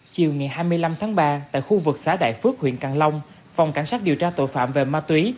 chiều ngày hai mươi năm tháng ba tại khu vực xã đại phước huyện càng long phòng cảnh sát điều tra tội phạm về ma túy